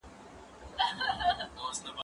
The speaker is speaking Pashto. زه هره ورځ شګه پاکوم؟